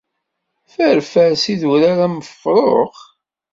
Fferfer s idurar am ufrux?